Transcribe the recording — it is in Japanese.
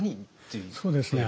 そうですね